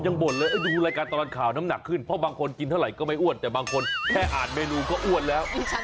บางทีมันเป็นแผนบางทีนะ